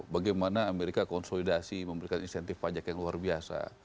bagaimana amerika konsolidasi memberikan insentif pajak yang luar biasa